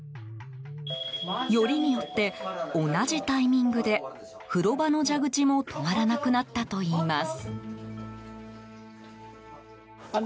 よりによって、同じタイミングで風呂場の蛇口も止まらなくなったといいます。